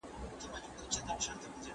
د غلا کوونکي لاس بايد غوڅ سي.